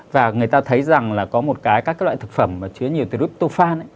và người ta thấy rằng là có một cái các loại thực phẩm mà chứa nhiều tryptophan